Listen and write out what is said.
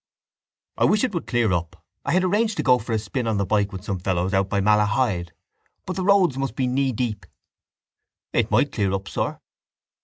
—I wish it would clear up. I had arranged to go for a spin on the bike with some fellows out by Malahide. But the roads must be kneedeep. —It might clear up, sir.